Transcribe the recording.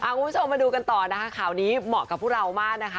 คุณผู้ชมมาดูกันต่อนะคะข่าวนี้เหมาะกับพวกเรามากนะคะ